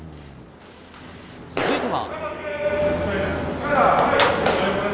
続いては。